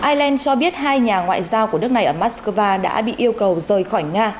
ireland cho biết hai nhà ngoại giao của nước này ở moscow đã bị yêu cầu rời khỏi nga